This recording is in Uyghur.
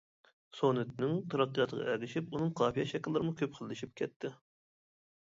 سونېتنىڭ تەرەققىياتىغا ئەگىشىپ ئۇنىڭ قاپىيە شەكىللىرىمۇ كۆپ خىللىشىپ كەتتى.